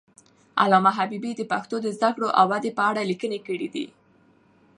علامه حبیبي د پښتو د زوکړې او ودې په اړه لیکنې کړي دي.